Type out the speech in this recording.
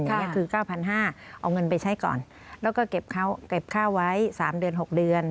อันนี้คือ๙๕๐๐เอาเงินไปใช้ก่อนแล้วก็เก็บค่าไว้๓เดือน๖เดือน